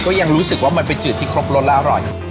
ยังรู้สึกว่ามันเป็นจืดที่ครบรสและอร่อย